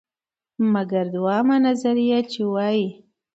مګر دویمه نظریه، چې وایي: